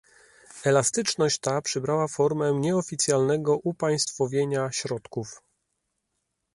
Elastyczność ta przybrała formę nieoficjalnego upaństwowienia środków